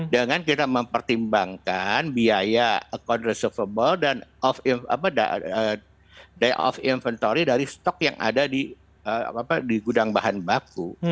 dengan kita mempertimbangkan biaya account reservable dan day of inventory dari stok yang ada di gudang bahan baku